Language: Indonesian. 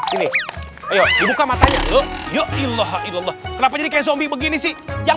ini dibuka matanya lho ya allah allah kenapa jadi kayak zombie begini sih yang